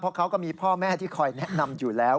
เพราะเขาก็มีพ่อแม่ที่คอยแนะนำอยู่แล้ว